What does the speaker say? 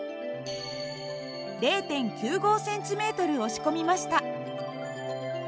０．９５ｃｍ押し込みました。